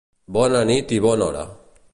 Bona nit i bona hora!